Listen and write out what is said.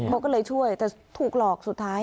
เขาก็เลยช่วยแต่ถูกหลอกสุดท้าย